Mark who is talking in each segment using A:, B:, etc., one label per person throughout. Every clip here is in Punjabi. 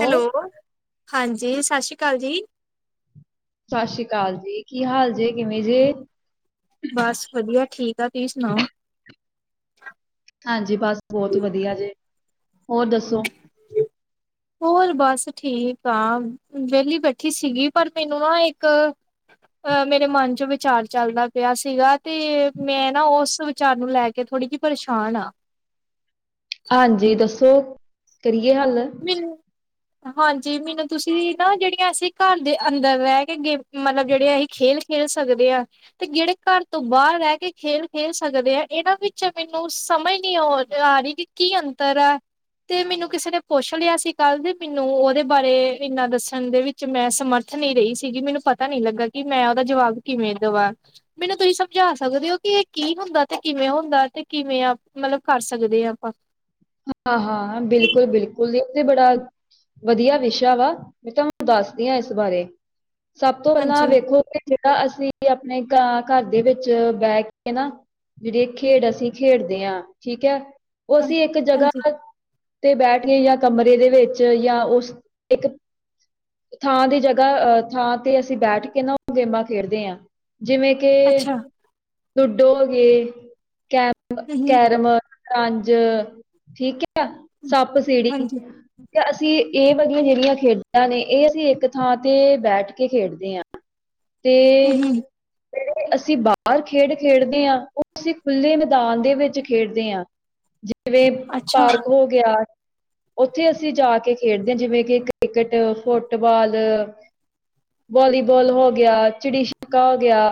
A: ਹੈਲੋ ਹਾਂਜੀ ਸਤਿ ਸ਼੍ਰੀ ਅਕਾਲ ਜੀ।
B: ਸਤਿ ਸ੍ਰੀ ਅਕਾਲ ਜੀ ਕੀ ਹਾਲ ਜੇ ਕਿਵੇਂ ਜੇ
A: ਬਸ ਵਧੀਆ ਠੀਕ ਆ ਤੁਸੀਂ ਸੁਣਾਓ।
B: ਹਾਂਜੀ ਬਸ ਬਹੁਤ ਵਧੀਆ ਜੇ ਹੋਰ ਦੱਸੋ।
A: ਹੋਰ ਬਸ ਠੀਕ ਆ ਵਿਹਲੀ ਬੈਠੀ ਸੀਗੀ ਪਰ ਮੈਨੂੰ ਨਾ ਇੱਕ ਅਹ ਮੇਰੇ ਮਨ 'ਚ ਵਿਚਾਰ ਚੱਲਦਾ ਪਿਆ ਸੀਗਾ, ਤੇ ਮੈਂ ਨਾ ਉਸ ਵਿਚਾਰ ਨੂੰ ਲੈ ਕੇ ਕਿ ਥੋੜ੍ਹੀ ਜਿਹੀ ਪਰੇਸ਼ਾਨ ਆ।
B: ਹਾਂਜੀ ਦੱਸੋ ਕਰੀਏ ਹੱਲ
A: ਮੈਨੂੰ ਹਾਂਜੀ ਮੈਨੂੰ ਤੁਸੀਂ ਨਾ ਜਿਹੜੀਆਂ ਅਸੀਂ ਘਰ ਦੇ ਅੰਦਰ ਰਹਿ ਕੇ ਗੇ ਮਤਲਬ ਜਿਹੜੇ ਅਸੀਂ ਖੇਲ ਖੇਲ ਸਕਦੇ ਆ। ਤੇ ਜਿਹੜੇ ਘਰ ਤੋਂ ਬਾਹਰ ਰਹਿ ਕੇ ਖੇਲ- ਖੇਲ ਸਕਦੇ ਆ ਇਹਨਾਂ ਵਿੱਚ ਮੈਨੂੰ ਸਮਝ ਨਹੀਂ ਔ-ਆ ਰਹੀ। ਕੀ ਅੰਤਰ ਹੈ ਤੇ ਮੈਨੂੰ ਕਿਸੇ ਨੇ ਪੁੱਛ ਲਿਆ ਸੀ ਕੱਲ੍ਹ ਦੇ ਮੈਨੂੰ ਉਹਦੇ ਬਾਰੇ ਇੰਨਾ ਦੱਸਣ ਦੇ ਵਿੱਚ ਮੈਂ ਸਮਰਥ ਨਹੀਂ ਰਹੀ ਸੀਗੀ ਮੈਨੂੰ ਪਤਾ ਪਤਾ ਨੀ ਲੱਗਾ ਕਿ ਮੈਂ ਉਹਦਾ ਜਵਾਬ ਕਿਵੇਂ ਦਵਾਂ। ਮੈਨੂੰ ਤੁਸੀਂ ਸਮਝਾ ਸਕਦੇ ਹੋ ਕਿ ਇਹ ਕੀ ਹੁੰਦਾ ਤੇ ਕਿਵੇਂ ਹੁੰਦਾ ਤੇ ਕਿਵੇਂ ਮਤਲਬ ਕਰ ਸਕਦੇ ਹ ਆਪਾਂ
B: ਅਹਾ ਬਿਲਕੁਲ- ਬਿਲਕੁਲ ਇਹ ਤੇ ਬੜਾ ਵਧੀਆ ਵਿਸ਼ਾ ਵਾ ਮੈਂ ਤੁਹਾਨੂੰ ਦੱਸਦੀ ਹਾਂ ਇਸ ਬਾਰੇ ਸਭ ਤੋਂ ਪਹਿਲਾਂ
A: ਹਾਂਜੀ
B: ਵੇਖੋ ਕਿ ਜਿਹੜਾ ਅਸੀਂ ਆਪਣੇ ਘਰ ਦੇ ਵਿੱਚ ਬਹਿ ਕੇ ਨਾ ਜਿਹੜੀ ਖੇਡ ਅਸੀਂ ਖੇਡਦੇ ਹਾਂ ਠੀਕ ਹੈ ਉਹ
A: ਹਾਂ
B: ਅਸੀਂ ਇੱਕ ਜਗ੍ਹਾ
A: ਹਾਂਜੀ
B: ਤੇ ਬੈਠ ਕੇ ਜਾਂ ਕਮਰੇ ਦੇ ਵਿੱਚ ਜਾਂ ਉਸ ਇੱਕ ਥਾਂ ਦੀ ਜਗ੍ਹਾ ਅਹ ਥਾਂ ਤੇ ਅਸੀਂ ਬੈਠ ਕੇ ਨਾ ਉਹ ਗੇਮਾਂ ਖੇਡਦੇ ਹਾਂ। ਜਿਵੇਂ ਕਿ
A: ਅੱਛਾ
B: ਲੁਡੋ ਹੋ ਗਏ ਕੈਮ
A: ਹਮ
B: ਕੈਰਮ ਸਤਰਂਜ ਠੀਕ ਹੈ ਸੱਪ ਸੀੜੀ
A: ਹਾਂਜੀ
B: ਤੇ ਅਸੀਂ ਇਹ ਵਲੀਆਂ ਜਿਹੜੀਆਂ ਖੇਡਾਂ ਨੇ ਇਹ ਅਸੀਂ ਇੱਕ ਥਾਂ ਤੇ ਬੈਠ ਕੇ ਖੇਡਦੇ ਹਾਂ। ਤੇ
A: ਇਹ
B: ਅਸੀਂ ਬਾਹਰ ਖੇਡ ਖੇਡਦੇ ਹਾਂ ਉਹ ਅਸੀਂ ਖੁੱਲ੍ਹੇ ਮੈਦਾਨ ਦੇ ਵਿੱਚ ਖੇਡਦੇ ਹਾਂ। ਜਿਵੇਂ
A: ਅੱਛਾ
B: ਪਾਰਕ ਹੋ ਗਿਆ। ਉੱਥੇ ਅਸੀਂ ਜਾ ਕੇ ਖੇਡਦੇ ਹਾਂ ਜਿਵੇਂ ਕਿ ਕ੍ਰਿਕੇਟ, ਫੁੱਟਬਾਲ ਵਾਲੀਬਾਲ ਹੋ ਗਿਆ, ਚਿੜੀ ਛਿੱਕਾ ਹੋ ਗਿਆ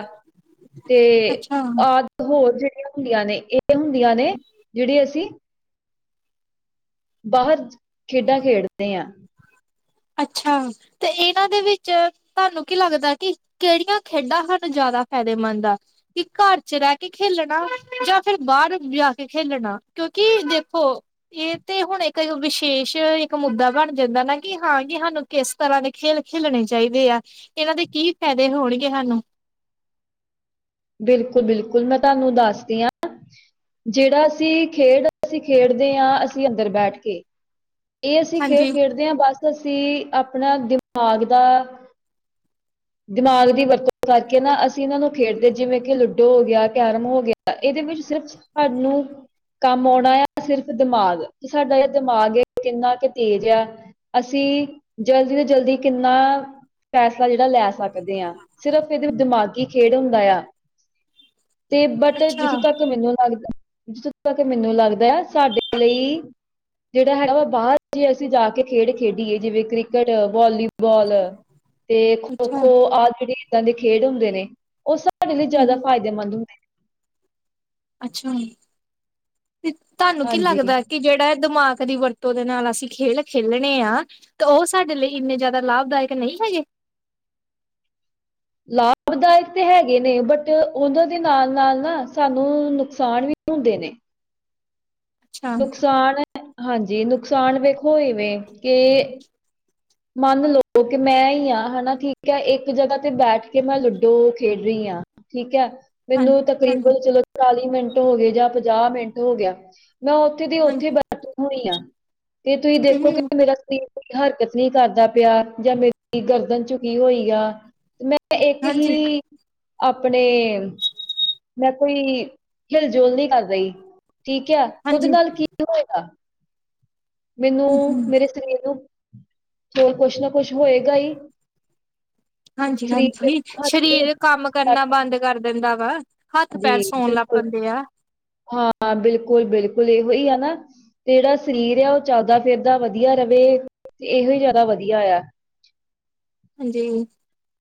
B: ਤੇ
A: ਅੱਛਾ
B: ਆਦਿ ਹੋਰ ਜਿਹੜੀਆਂ ਹੁੰਦੀਆਂ ਨੇ, ਇਹ ਹੁੰਦੀਆਂ ਨੇ, ਜਿਹੜੀ ਅਸੀਂ ਬਾਹਰ ਖੇਡਾਂ ਖੇਡਦੇ ਹਾਂ।
A: ਅੱਛਾ, ਤੇ ਇਹਨਾਂ ਦੇ ਵਿੱਚ ਤੁਹਾਨੂੰ ਕੀ ਲੱਗਦਾ ਕੀ ਕਿਹੜੀਆਂ ਖੇਡਾਂ ਸਾਨੂੰ ਜ਼ਿਆਦਾ ਫਾਇਦੇਮੰਦ ਆ ਕਿ ਘਰ 'ਚ ਰਹਿ ਕੇ ਖੇਲਣਾ ਜਾਂ ਫਿਰ ਬਾਹਰ ਜਾ ਕੇ ਖੇਲਣਾ ਕਿਉਂਕਿ ਦੇਖੋ ਇਹ ਤੇ ਹੁਣ ਇੱਕ ਵਿਸ਼ੇਸ਼ ਇੱਕ ਮੁੱਦਾ ਬਣ ਜਾਂਦਾ ਨਾ ਕਿ ਹਾਂ ਕਿ ਸਾਨੂੰ ਕਿਸ ਤਰ੍ਹਾਂ ਦੇ ਖੇਲ ਖੇਲਣੇ ਚਾਹੀਦੇ ਆ, ਇਹਨਾਂ ਦੇ ਕੀ ਫਾਇਦੇ ਹੋਣਗੇ ਸਾਨੂੰ।
B: ਬਿਲਕੁਲ, ਬਿਲਕੁਲ ਮੈਂ ਤੁਹਾਨੂੰ ਦੱਸਦੀ ਹਾਂ ਜਿਹੜਾ ਅਸੀਂ, ਖੇਡ ਅਸੀਂ ਖੇਡਦੇ ਹਾਂ ਅਸੀਂ ਅੰਦਰ ਬੈਠ ਕੇ ਇਹ ਅਸੀਂ ਖੇਡ
A: ਹਾਂਜੀ
B: ਖੇਡਦੇ ਹਾਂ ਬਸ ਅਸੀਂ ਆਪਣਾ ਦਿਮਾਗ ਦਾ ਦਿਮਾਗ ਦੀ ਵਰਤੋਂ ਕਰਕੇ ਨਾ ਅਸੀਂ ਇਹਨਾਂ ਨੂੰ ਖੇਡਦੇ ਜਿਵੇਂ ਕਿ ਲੂਡੋ ਹੋ ਗਿਆ, ਕੈਰਮ ਹੋ ਗਿਆ ਇਹਦੇ ਵਿੱਚ ਸਿਰਫ ਸਾਨੂੰ ਕੰਮ ਆਉਣਾ ਆ ਸਿਰਫ ਦਿਮਾਗ, ਕਿ ਸਾਡਾ ਜਿਹੜਾ ਦਿਮਾਗ ਹੈ ਕਿੰਨਾ ਕੇ ਤੇਜ਼ ਆ, ਅਸੀਂ ਜਲਦੀ ਤੋਂ ਜਲਦੀ ਕਿੰਨਾ ਫੈਸਲਾ ਜਿਹੜਾ ਲੈ ਸਕਦੇ ਹਾਂ, ਸਿਰਫ ਇਹਦੇ ਦਿਮਾਗੀ ਖੇਡ ਹੁੰਦਾ ਆ। ਤੇ, ਬਟ ਜਿੱਥੋਂ
A: ਅੱਛਾ
B: ਤੱਕ ਮੈਨੂੰ ਲੱਗਦਾ, ਜਿੱਥੋਂ ਕਿ ਮੈਨੂੰ ਲੱਗਦਾ ਆ, ਸਾਡੇ ਲਈ ਜਿਹੜਾ ਹੈਗਾ ਵਾ, ਬਾਹਰ ਜੇ ਅਸੀਂ ਜਾ ਕੇ ਖੇਡ ਖੇਡੀਏ, ਜਿਵੇਂ ਕ੍ਰਿਕਟ, ਵਾਲੀਬਾਲ। ਤੇ
A: ਅੱਛਾ
B: ਖੋ-ਖੋ, ਆਹ ਜਿਹੜੇ ਇੱਦਾਂ ਦੇ ਖੇਡ ਹੁੰਦੇ ਨੇ, ਉਹ ਸਾਡੇ ਲਈ ਜ਼ਿਆਦਾ
A: ਹੂੰ,
B: ਫਾਇਦੇਮੰਦ ਹੁੰਦੇ ਨੇ।
A: ਅੱਛਾਜੀ, ਤੇ ਤੁਹਾਨੂੰ
B: ਨੇ।
A: ਕੀ
B: ਹਾਂਜੀ
A: ਲੱਗਦਾ ਕਿ ਜਿਹੜਾ ਇਹ ਦਿਮਾਗ ਦੀ ਵਰਤੋਂ ਤੇ ਉਹਦੇ ਨਾਲ ਅਸੀਂ ਖੇਲ ਖੇਲਣੇ ਆ, ਤੇ ਉਹ ਸਾਡੇ ਲਈ ਇੰਨੇ ਜ਼ਿਆਦਾ ਲਾਭਦਾਇਕ ਨਹੀਂ ਹੈਗੇ।
B: ਲਾਭਦਾਇਕ ਤੇ ਹੈਗੇ ਨੇ, ਬਟ ਉਹਨਾਂ ਦੇ ਨਾਲ-ਨਾਲ ਨਾ ਸਾਨੂੰ ਨੁਕਸਾਨ ਵੀ ਹੁੰਦੇ ਨੇ।
A: ਅੱਛਾ
B: ਨੁਕਸਾਨ ਹਾਂਜੀ, ਨੁਕਸਾਨ ਵੇਖੋ ਇਵੇਂ, ਕਿ ਮੰਨ ਲਓ ਕਿ ਮੈਂ ਹੀ ਹਾਂ ਹਨਾ ਠੀਕ ਹੈ ਇੱਕ ਜਗ੍ਹਾ ਤੇ ਬੈਠ ਕੇ ਮੈਂ ਲੂਡੋ ਖੇਡ ਰਹੀ ਹਾਂ ਠੀਕ ਹੈ,
A: ਹਾਂ
B: ਮੈਨੂੰ
A: ਹਾਂਜੀ
B: ਤਕਰੀਬਨ ਚਲੋ ਚਾਲੀ ਮਿੰਟ ਹੋ ਗਏ ਜਾਂ ਪੰਜਾਹ ਮਿੰਟ ਹੋ ਗਿਆ। ਮੈਂ ਉੱਥੇ ਦੀ ਉੱਥੇ
A: ਹਾਂਜੀ
B: ਬੈਠੀ ਹੋਈ ਹਾਂ, ਤੇ ਤੁਸੀਂ ਦੇਖੋਗੇ
A: ਹਮ
B: ਮੇਰਾ ਸਰੀਰ ਕੋਈ ਹਰਕਤ ਨਹੀ ਕਰਦਾ ਪਿਆ ਜਾਂ ਮੇਰੀ ਗਰਦਨ ਝੁਕੀ ਹੋਈ ਆ ਮੈਂ ਇੱਕ
A: ਹਾਂਜੀ
B: ਹੀ ਆਪਣੇ ਮੈਂ ਕੋਈ ਹਿਲ-ਜੁਲ ਨਹੀਂ ਕਰ ਰਹੀ, ਠੀਕ ਹੈ, ਉਹਦੇ
A: ਹਾਂਜੀ
B: ਨਾਲ ਕੀ ਕੀ ਹੋਏਗਾ, ਮੈਨੂੰ
A: ਹਮ
B: ਮੇਰੇ ਸਰੀਰ ਨੂੰ ਚਰ ਕੁਛ ਨਾ ਕੁਛ ਹੋਏਗਾ ਹੀ।
A: ਹਾਂਜੀ,
B: ਸਰੀਰ ਦੇ
A: ਹਾਂਜੀ
B: ਹੱਥ ਦੇ ਵਿੱਚ
A: ਸਰੀਰ ਕੰਮ ਕਰਨਾ ਬੰਦ ਕਰ ਦਿੰਦਾ ਵਾ ਹੱਥ-ਪੈਰ
B: ਜੀ
A: ਸੌਣ ਲੱਗ
B: ਬਿਲਕੁਲ,
A: ਪੈਂਦੇ ਆ।
B: ਹਾਂ, ਬਿਲਕੁਲ, ਬਿਲਕੁਲ ਇਹੋ ਹੀ ਹੈ ਨਾ। ਤੇ ਜਿਹੜਾ ਸਰੀਰ ਆ ਉਹ ਚੱਲਦਾ ਫਿਰਦਾ ਵਧੀਆ ਰਹੇ ਤੇ ਇਹੋ ਹੀ ਜਿਆਦਾ ਵਧੀਆ ਆ
A: ਹਾਂਜੀ।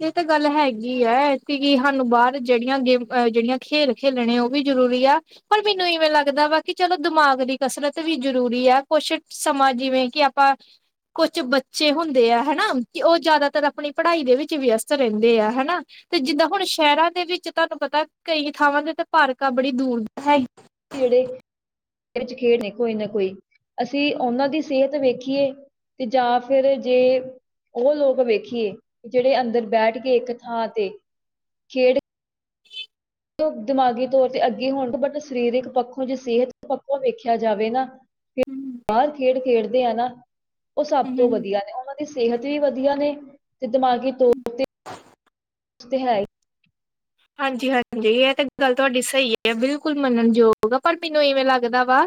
A: ਇਹ ਤਾਂ ਗੱਲ ਹੈਗੀ ਹੈ, ਕੀ ਸਾਨੂੰ ਬਾਹਰ ਜਿਹੜੀਆਂ ਗੇਮ ਜਿਹੜੀਆਂ ਖੇਲ ਖੇਲਣੇ ਉਹ ਵੀ ਜ਼ਰੂਰੀ ਆ ਪਰ ਮੈਨੂੰ ਇਵੇਂ ਲੱਗਦਾ ਵਾ ਕਿ ਚਲੋ ਦਿਮਾਗ ਦੀ ਕਸਰਤ ਵੀ ਜਰੂਰੀ ਆ ਕੁਛ ਸਮਾਂ ਜਿਵੇਂ ਕਿ ਪਰ, ਕੁਛ ਬੱਚੇ ਹੁੰਦੇ ਆ ਹਨਾ ਕਿ ਉਹ ਜ਼ਿਆਦਾ ਤਰ ਆਪਣੀ ਪੜ੍ਹਾਈ ਦੇ ਵਿੱਚ ਵਿਅਸਤ ਰਹਿੰਦੇ ਆ ਹਨਾ। ਤੇ ਜਿੱਦਾਂ ਹੁਣ ਸ਼ਹਿਰਾਂ ਦੇ ਵਿੱਚ ਤੁਹਾਨੂੰ ਪਤਾ ਕਈ ਥਾਵਾਂ ਦੇ ਪਾਰਕਾਂ ਬੜੀ ਦੂਰ ਹੈ।
B: ਜਿਹੜੇ, ਵਿੱਚ ਖੇਡ ਨੇ ਕੋਈ ਨਾ ਕੋਈ ਅਸੀਂ ਉਹਨਾਂ ਦੀ ਸਿਹਤ ਵੇਖੀਏ ਤੇ ਜਾਂ ਫਿਰ ਜੇ। ਉਹ ਲੋਕ ਵੇਖੀਏ, ਜਿਹੜੇ ਅੰਦਰ ਬੈਠ ਕੇ ਇੱਕ ਥਾਂ ਤੇ ਖੇਡ ਦਿਮਾਗੀ ਤੌਰ ਤੇ ਅੱਗੇ ਹੋਣਗੇ ਬਟ ਸਰੀਰਕ ਪੱਖੋਂ ਜੇ ਸਿਹਤ ਪੱਖੋਂ ਵੇਖਿਆ ਜਾਵੇ ਨਾ ਬਾਹਰ ਖੇਡ ਖੇਡਦੇ ਆ ਨਾ, ਉਹ ਸਭ ਤੋਂ
A: ਹਮ
B: ਵਧੀਆ ਨੇ ਉਹਨਾਂ ਸਿਹਤ ਵੀ ਵਧੀਆ ਨੇ, ਤੇ ਦਿਮਾਗੀ ਤੌਰ ਤੇ ਹੈ।
A: ਹਾਂਜੀ, ਹਾਂਜੀ ਇਹ ਤਾਂ ਗੱਲ ਤੁਹਾਡੀ ਸਹੀ ਹੈ ਆ, ਬਿਲਕੁਲ ਮੰਨਣਯੋਗ ਆ, ਪਰ ਮੈਨੂੰ ਇਵੇਂ ਲੱਗਦਾ ਵਾ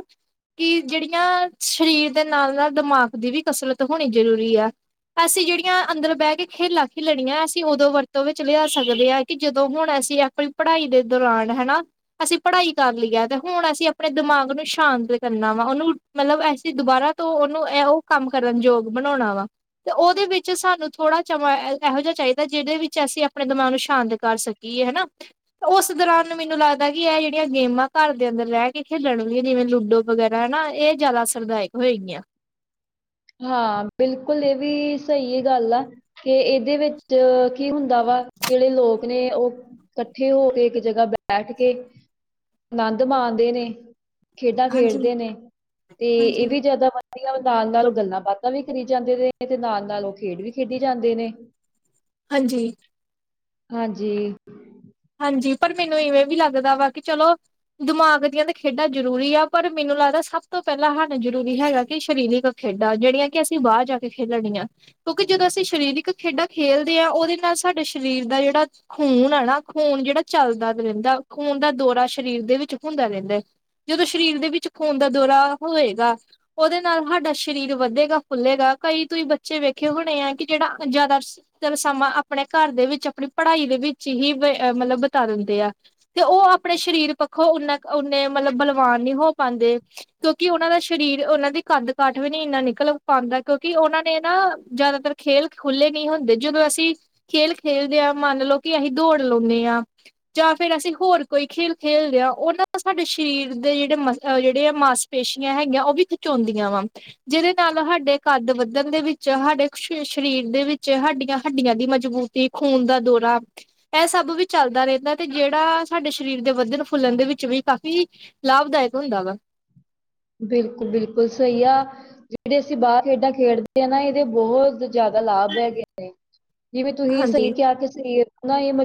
A: ਕਿ ਜਿਹੜੀਆਂ, ਸਰੀਰ ਦੇ ਨਾਲ-ਨਾਲ ਦਿਮਾਗ ਦੀ ਵੀ ਕਸਰਤ ਹੋਣੀ ਜ਼ਰੂਰੀ ਆ। ਅਸੀਂ ਜਿਹੜੀਆਂ, ਅੰਦਰ ਬਹਿ ਕੇ ਖੇਲਾ ਖੇਲਣੀਆਂ, ਅਸੀਂ ਉਦੋਂ ਵਰਤੋਂ ਵਿੱਚ ਲਿਆ ਸਕਦੇ ਹਾਂ, ਕਿ ਜਦੋਂ ਤੇ ਹੁਣ, ਅਸੀਂ ਆਪਣੀ ਪੜ੍ਹਾਈ ਦੇ ਦੌਰਾਨ ਹਨਾ ਅਸੀਂ, ਪੜ੍ਹਾਈ ਕਰ ਲਈ ਹੈ, ਤੇ ਹੁਣ ਅਸੀਂ ਆਪਣੇ ਦਿਮਾਗ ਨੂੰ ਸ਼ਾਂਤ, ਕਰਨਾ ਵਾ ਉਹਨੂੰ ਮਤਲਬ, ਅਸੀਂ ਦੁਬਾਰਾ ਤੋਂ ਉਹਨੂੰ, ਇਹੋ ਕੰਮ ਕਰਨ ਯੋਗ ਬਣਾਉਣਾ ਵਾ। ਤੇ ਉਹਦੇ ਵਿੱਚ, ਸਾਨੂੰ ਥੋੜਾ ਸਮਾਂ ਇਹੋ ਜਿਹਾ ਚਾਹੀਦਾ, ਜਿਹਦੇ ਵਿੱਚ ਅਸੀਂ ਆਪਣੇ, ਦਿਮਾਗ ਨੂੰ ਸ਼ਾਂਤ ਕਰ ਸਕੀਏ ਹਨਾ ਉਸ ਦੌਰਾਨ, ਮੈਨੂੰ ਲੱਗਦਾ ਕਿ ਇਹ ਜਿਹੜੀਆਂ ਗੇਮਾਂ ਘਰ ਦੇ ਅੰਦਰ ਰਹਿ ਕੇ ਖੇਲਣ ਵਾਲਿਆ, ਜਿਵੇਂ ਲੂਡੋ ਵਗੈਰਾ ਹਨਾ, ਇਹ ਜ਼ਿਆਦਾ ਅਸਰਦਾਇਕ ਹੋਏਗੀਆਂ।
B: ਹਾਂ, ਬਿਲਕੁਲ ਇਹ ਵੀ ਸਹੀ ਗੱਲ ਆ। ਕਿ ਇਹਦੇ ਵਿੱਚ ਕੀ ਹੁੰਦਾ ਵਾ, ਕਿਹੜੇ ਲੋਕ ਨੇ ਉਹ ਇਕੱਠੇ ਹੋ ਕੇ, ਇੱਕ ਜਗ੍ਹਾ ਬੈਠ ਕੇ, ਆਨੰਦ ਮਾਣਦੇ ਨੇ ਖੇਡਾਂ
A: ਹਾਂਜੀ,
B: ਖੇਡਦੇ ਨੇ, ਤੇ ਇਹ
A: ਹਾਂਜੀ,
B: ਵੀ ਜਿਆਦਾ ਵਧੀਆ, ਨਾਲ -ਨਾਲ ਗੱਲਾਂ-ਬਾਤਾਂ ਵੀ ਕਰੀ ਜਾਂਦੇ ਨੇ, ਤੇ ਨਾਲ-ਨਾਲ ਉਹ ਖੇਡ ਵੀ ਖੇਡੀ ਜਾਂਦੇ ਨੇ।
A: ਹਾਂਜੀ।
B: ਹਾਂਜੀ।
A: ਹਾਂਜੀ, ਪਰ ਮੈਨੂੰ ਇਵੇਂ ਵੀ ਲੱਗਦਾ ਵਾ ਕਿ ਚਲੋ ਦਿਮਾਗ ਦੀਆਂ ਤੇ, ਖੇਡਾਂ ਜ਼ਰੂਰੀ ਆ, ਪਰ ਮੈਨੂੰ ਲੱਗਦਾ ਸਭ ਤੋਂ ਪਹਿਲਾਂ ਸਾਨੂੰ ਜ਼ਰੂਰੀ ਹੈਗਾ, ਕਿ ਸ਼ਰੀਰਕ ਖੇਡਾਂ, ਜਿਹੜੀਆਂ ਕਿ ਅਸੀਂ ਬਾਹਰ ਜਾ ਕੇ ਖੇਲਣੀਆਂ। ਕਿਉਂਕਿ ਜਦੋਂ ਅਸੀਂ ਸ਼ਰੀਰਕ ਖੇਡਾਂ ਖੇਲਦੇ ਆ ਉਹਦੇ ਨਾਲ ਸਾਡੇ ਸ਼ਰੀਰ ਦਾ ਜਿਹੜਾ ਖੂਣ ਆ ਣਾ ਖੂਨ ਜਿਹੜਾ, ਚੱਲਦਾ ਰਹਿੰਦਾ ਖੂਨ ਦਾ ਦੌਰਾ ਸਰੀਰ ਦੇ ਵਿੱਚ ਹੁੰਦਾ, ਰਹਿੰਦਾ ਹੈ। ਜਦੋਂ, ਸਰੀਰ ਦੇ ਵਿੱਚ, ਖੂਨ ਦਾ ਦੌਰਾ ਹੋਵੇਗਾ ਉਹਦੇ ਨਾਲ ਹਾਡਾ ਸ਼ਰੀਰ ਵੱਧੇਗਾ ਫੁੱਲੇਗਾ ਕਈ ਤੁਸੀਂ ਬੱਚੇ ਵੇਖੇ ਹੋਣੇ ਆ ਕਿ ਜਿਹੜਾ ਜ਼ਿਆਦਾ ਚ ਸਮਾਂ, ਆਪਣੇ ਘਰ ਦੇ ਵਿੱਚ, ਆਪਣੀ ਪੜ੍ਹਾਈ ਦੇ ਵਿੱਚ, ਹੀ ਮਤਲਬ ਬਿਤਾ ਦਿੰਦੇ ਆ। ਤੇ ਉਹ, ਆਪਣੇ ਸਰੀਰ ਪੱਖੋਂ ਉਨੇ, ਮਤਲਬ, ਬਲਵਾਨ ਨੀ ਹੋ ਪਾਉਂਦੇ। ਕਿਉਂਕਿ, ਉਹਨਾਂ ਦਾ ਸਰੀਰ ਉਹਨਾਂ ਦੀ ਕਦ ਕਾਠ, ਵੀ ਨੀ ਇੰਨਾ ਨਿਕਲ ਪਾਉਂਦਾ ਕਿਉਂਕਿ, ਉਹਨਾਂ ਨੇ ਨਾ ਜ਼ਿਆਦਾਤਰ ਖੇਲ, ਖੁੱਲ੍ਹੇ ਨਹੀਂ ਹੁੰਦੇ, ਜਦੋਂ ਅਸੀਂ ਖੇਲ ਖੇਲਦੇ ਹਾਂ ਮੰਨ ਲਓ ਕਿ, ਅਸੀਂ ਦੌੜ ਲਾਉਂਦੇ ਹਾਂ। ਜਾਂ ਫੇਰ, ਅਸੀਂ ਹੋਰ ਕੋਈ ਖੇਲ ਖੇਲਦੇ ਹਾਂ, ਉਹਨਾਂ ਦਾ ਸਾਡੇ ਸਰੀਰ ਦੇ ਜਿਹੜੇ ਮਸਲ, ਜਿਹੜੇ ਆ ਮਾਸ ਪੇਸ਼ੀਆਂ ਹੈਗੀਆਂ, ਉਹ ਵੀ ਖਿਚਉਂਦੀਆਂ ਵਾ ਜਿਹਦੇ ਨਾਲ, ਸਾਡੇ ਕੱਦ ਵੱਧਣ ਦੇ ਵਿੱਚ, ਸਾਡੇ ਸਰੀਰ ਦੇ ਵਿੱਚ, ਸਾਡੀਆਂ ਹੱਡੀਆਂ ਦੀ ਮਜ਼ਬੂਤੀ ਕੀ ਖੂਨ ਦਾ ਦੌਰਾ, ਇਹ ਸਭ ਵੀ ਚੱਲਦਾ ਰਹਿੰਦਾ। ਤੇ ਜਿਹੜਾ, ਸਾਡੇ ਸਰੀਰ ਦੇ ਵੱਧਣ- ਫੁੱਲਣ ਦੇ ਵਿੱਚ ਵੀ ਕਾਫ਼ੀ, ਲਾਭਦਾਇਕ ਹੁੰਦਾ ਵਾ
B: ਬਿਲਕੁਲ, ਬਿਲਕੁਲ ਸਹੀ ਆ ਜਿਹੜੇ ਅਸੀਂ, ਬਾਹਰ ਖੇਡਾਂ ਖੇਡਦੇ ਹ ਨਾ ਇਹਦੇ ਬਹੁਤ ਜ਼ਿਆਦਾ ਲਾਭ ਹੈਗੇ ਨੇ ਜਿਵੇਂ, ਤੁਸੀਂ ਸਹੀ
A: ਹਾਂਜੀ
B: ਕਿਹਾ ਆ ਕੇ ਅਸੀ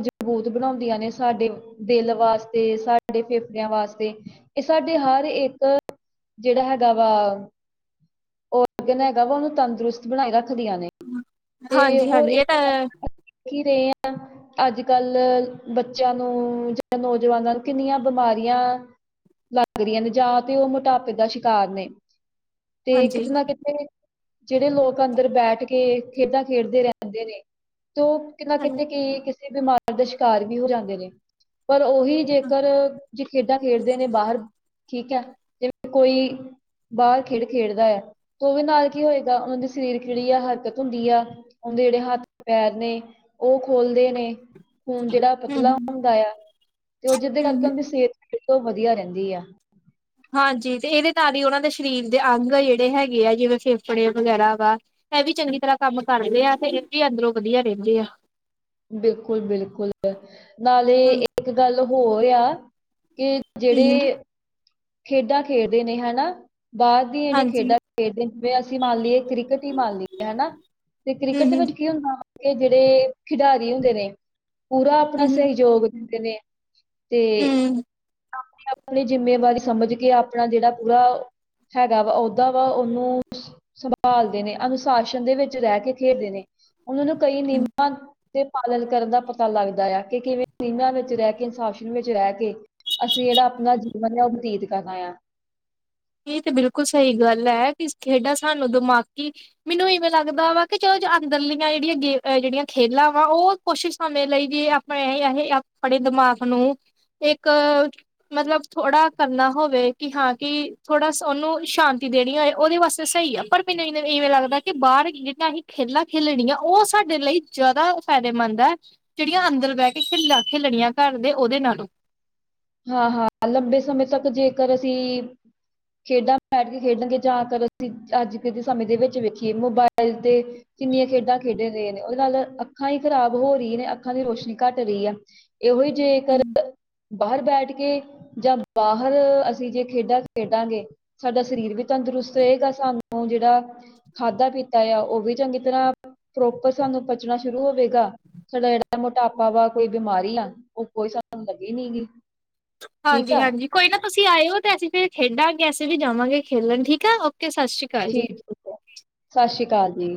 B: ਸਬੂਤ, ਬਣਾਉਂਦੀਆਂ ਨੇ ਸਾਡੇ ਦਿਲ ਵਾਸਤੇ, ਸਾਡੇ ਫੇਫੜਿਆਂ ਵਾਸਤੇ ਇਹ ਸਾਡੇ, ਹਰ ਇੱਕ ਜਿਹੜਾ ਹੈਗਾ ਵਾ ਉਹ ਕਹਿੰਦਾ ਹੈਗਾ ਵਾ, ਉਹਨੂੰ ਤੰਦਰੁਸਤ ਬਣਾਈ ਰੱਖਦੀਆਂ ਨੇ। ਤੇ
A: ਹਾਂਜੀ
B: ਹੋਰ
A: ਹਾਂਜੀ
B: ਇਸ
A: ਇਹ ਤਾਂ
B: ਦੇਖ ਹੀ ਰਹੇ ਹਾਂ। [inaudible] ਅੱਜ -ਕੱਲ੍ਹ ਬੱਚਿਆਂ ਨੂੰ ਜਾਂ ਨੌਜਵਾਨਾਂ ਨੂੰ, ਕਿੰਨੀਆਂ ਬਿਮਾਰੀਆਂ ਲੱਗ ਰਹੀਆਂ ਨੇ, ਜਾਂ ਤੇ ਉਹ ਮੋਟਾਪੇ ਦਾ ਸ਼ਿਕਾਰ ਨੇ ਤੇ
A: ਹਾਂਜੀ
B: ਕਿਤੇ ਨਾ ਕਿਤੇ ਜਿਹੜੇ ਲੋਕ, ਅੰਦਰ ਬੈਠ ਕੇ ਖੇਡਾਂ, ਖੇਡਦੇ ਰਹਿੰਦੇ ਨੇ। ਤੇ ਉਹ, ਕਿਤੇ ਨਾ
A: ਹਮ
B: ਕਿਤੇ ਕਈ ਕਿਸੇ, ਬਿਮਾਰ ਦਾ ਸ਼ਿਕਾਰ ਵੀ ਹੋ ਜਾਂਦੇ ਨੇ। ਪਰ ਉਹੀਂ ਜੇਕਰ ਕੇ ਖੇਡਾਂ-ਖੇਡਦੇ ਨੇ ਬਾਹਰ, ਠੀਕ ਹੈ। ਜਿਵੇਂ ਕੋਈ, ਬਾਹਰ ਖੇਡ ਖੇਡਦਾ ਹੈ। ਉਹਦੇ ਨਾਲ ਕੀ ਹੋਏਗਾ, ਉਹਨਾਂ ਦੇ ਸਰੀਰ ਜਿਹੜੀ ਆ ਹਰਕਤ ਹੁੰਦੀ ਆ, ਉਹਦੇ ਜਿਹੜੇ ਹੱਥ ਪੈਰ ਨੇ ਉਹ ਖੋਲਦੇ ਨੇ ਖੂਨ ਜਿਹੜਾ,
A: ਹਮ
B: ਪਤਲਾ ਹੁੰਦਾ ਆ, ਤੇ ਉਹ ਜਿਹਦੇ ਕਰਕੇ ਉਹਦੀ
A: ਹਮ
B: ਸਿਹਤ ਜਹੜ ਉਹ ਵਧੀਆ ਰਹਿੰਦੀ ਆ।
A: ਹਾਂਜੀ, ਤੇ ਇਹਦੇ ਨਾਲ ਹੀ ਉਹਨਾਂ ਦੇ, ਸਰੀਰ ਦੇ ਅੰਗ ਜਿਹੜੇ ਹੈਗੇ ਆ, ਜਿਵੇਂ ਫੇਫੜੇ ਵਗੈਰਾ ਵਾ। ਇਹ ਵੀ, ਚੰਗੀ ਤਰ੍ਹਾਂ ਕੰਮ ਕਰਦੇ ਆ, ਤੇ ਇਹ ਵੀ ਅੰਦਰੋਂ ਵਧੀਆ ਰਹਿੰਦੇ ਆ।
B: ਬਿਲਕੁਲ, ਬਿਲਕੁਲ ਨਾਲੇ
A: ਹੂੰ,
B: ਏਕ ਗਾੱਲ ਹੋਰ ਆ। ਕਿ
A: ਹੂੰ,
B: ਜੇੜੇ, ਖੇਡਾਂ ਖੇਡਦੇ ਨੇ ਹਨਾ ਬਾਦ ਦੀ ਜੇੜੀ
A: ਹਾਂਜੀ
B: ਖੇਡਾਂ ਖੇਡਦੇ ਜਿਵੇਂ ਅਸੀਂ ਮਾੰਨ ਲੀਏ ਕ੍ਰਿਕੇਟ ਈ ਮਾੰਨ ਲੀਏ ਹਨਾ। ਤੇ
A: ਹੂੰ,
B: ਕ੍ਰਿਕਟ ਦੇ
A: ਹੂੰ,
B: ਵੇਚ ਕੀ ਹੁੰਦਾ ਵਾ? ਏ ਜੇੜੇ ਖਿਡਾਰੀ ਹੁੰਦੇ ਨੇ, ਪੂਰਾ ਆਪਣਾ
A: ਹੂੰ,
B: ਸਹਿਯੋਗ ਦਿੰਦੇ ਨੇ। ਤੇ
A: ਹੂੰ,
B: ਆਪਣੀ-ਆਪਣੀ ਜਿੰਮੇਵਾਰੀ ਸਮਝ ਕੇ ਆਪਣਾ ਜੇੜਾ ਪੂਰਾ ਹੈਗਾ ਵਾ ਓਦਾਂ ਵਾ ਓਨੂੰ ਸੰਭਾਲ ਦੇ ਨੇ ਅਨੁਸ਼ਾਸਨ ਦੇ ਵੇਚ ਰੈ ਕੇ ਖੇਲਦੇ ਨੇ, ਉਨਾਂ ਨੂੰ ਕਈ ਨਿਯ
A: ਹੂੰ।
B: ਤੇ ਪਾਲਨ ਕਰਨ ਦਾ ਪਤਾ ਲਾੱਗਦਾ ਆ, ਕਿ ਕਿਵੇਂ ਨਿਯਮਾਂ ਵਿੱਚ ਰੈ ਕੇ, ਅਨੁਸ਼ਾਸਨ ਵੇਚ ਰੈ ਕੇ ਅਸੀ ਜੇੜਾ ਆਪਨਾ ਜੀਵਨ ਆ ਓ ਬਤੀਤ ਕਰਨਾ ਆ।
A: ਏਈ ਤੇ ਬਿਲਕੁਲ ਸਈ ਗਾੱਲ ਐ, ਕਿ ਖੇਡਾਂ ਸਾਨੂੰ ਦਮਾਕੀ ਮੇਨੂੰ ਇਵੇਂ ਲਾੱਗਦਾ ਵਾ ਕਿ ਚਲੋ ਅੰਦਰਲੀਆਂ ਜੇੜੀਆਂ ਗੇ ਜੇੜੀਆਂ ਖੇਲਾਂ ਵਾ ਓ ਕੋਸ਼ਿਸ਼ [unintelligible] ਲਈ ਆਪਣੇ ਯਾਹੇ ਆਪਣੇ ਦਮਾਗ ਨੂੰ ਏਕ ਮਤਲਬ ਥੋੜਾ ਕਰਨਾ ਹੋਵੇ ਕੀ ਹਾਂ ਕਿ ਥੋੜਾ ਸੋਨੂੰ ਸ਼ਾਂਤੀ ਦੇਣੀ ਹੋਏ, ਓਦੇ ਵਾਸਤੇ ਸਈ ਆ ਪਰ ਮੀਨੂ ਇਵੇਂ ਲੱਗਦਾ ਕਿ ਬਾਰ ਜਿਨਾ ਅਹੀ ਖੇਲਾਂ ਖੇਲਣੀਆਂ ਓ ਸਾਡੇ ਲਈ ਜਾਦਾ ਫੈਦੇਮੰਦ ਐ। ਜਗੜੀਆਂ ਅੰਦਰ ਬੈ ਕੇ ਖੇਲਾ ਖੇਲਣੀਆਂ ਘਾੱਰ ਦੇ ਓਦੇ ਨਾਲੋ
B: ਹਾ, ਹਾ ਲੰਬੇ ਸਮੇਂ ਤੱਕ ਜੇਕਰ ਅਸੀ ਖੇਡਾਂ ਬੈਠ ਕੇ ਖੇਡਣਗੇ ਜਾਂ ਤਰ ਅਸੀ ਆੱਜ ਦੇ ਸਮੇਂ ਦੇ ਵੇਚ ਵੇਖੀਏ ਮੋਬਾਇਲ ਤੇ ਕਿੰਨੀਆਂ ਖੇਡਾਂ ਖੇਡ ਰੇ ਨੇ, ਓਦੇ ਨਾਲ ਅੱਖਾਂ ਈ ਖ਼ਰਾਬ ਹੋਰੀ ਨੇ ਅੱਖਾਂ ਦੀ ਰੋਸ਼ਨੀ ਘਾੱਟ ਰੀ ਆ। ਏ ਓਹੀ ਜੇਕਰ ਬਾਹਰ ਬੈਠ ਕੇ ਜਾਂ ਬਾਹਰ ਅਸੀ ਜੇ ਖੇਡਾਂ ਖੇਡਾਂਗੇ ਸਾਡਾ ਸਰੀਰ ਵੀ ਤੰਦਰੁਸਤ ਰਏਗਾ, ਸਾਨੂੰ ਜੇੜਾ ਖਾਧਾ ਪੀਤਾ ਆ ਓ ਵੀ ਚੰਗੀ ਤਰਾਂ ਪ੍ਰੋਪਰ ਸਾਨੂੰ ਪਚਣਾ ਸ਼ੁਰੂ ਹੋਵੇਗਾ। ਸਾਡਾ ਜੇੜਾ ਮੋਟਾਪਾ ਵਾ, ਕੋਈ ਬਿਮਾਰੀ ਆ ਓ ਕੋਈ ਸਾਨੂੰ ਲੱਗੀ ਨੀ ਗੀ। ਠੀਕ
A: ਹਾਂਜੀ,
B: ਆ
A: ਹਾਂਜੀ। ਕੋਈ ਨਾ ਤੁਸੀ ਆਯੋ ਤੇ ਅਸੀ ਫੇਰ ਖੇਡਾਂਗੇ, ਅਸੀ ਵੀ ਜਾਵਾਂਗੇ ਖੇਲਨ ਠੀਕ ਆ, ਓਕੇ ਸ਼ਾਸ਼ੀ
B: ਠੀਕ ਠੀਕ ਐ, ਸ਼ਾਸ਼ੀ ਕਾਲ ਜੀ।